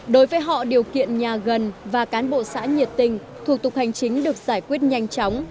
đối với họ điều kiện nhà gần và cán bộ xã nhiệt tình thủ tục hành chính được giải quyết nhanh chóng